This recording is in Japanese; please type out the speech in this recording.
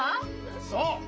そう！